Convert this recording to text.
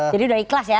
jadi sudah ikhlas ya